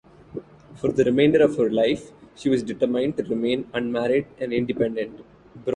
For the remainder of her life, she was determined to remain unmarried and independent.